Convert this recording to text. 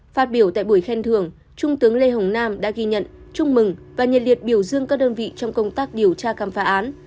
phát biểu tại buổi khen thưởng trung tướng lê hồng nam đã ghi nhận chúc mừng và nhiệt liệt biểu dương các đơn vị trong công tác điều tra khám phá án